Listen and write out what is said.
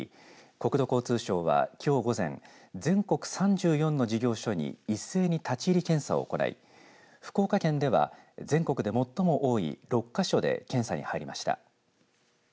国土交通省はきょう午前、全国３４の事業所に一斉に立ち入り検査を行い福岡県では全国で最も多い６か所で検査に入りました。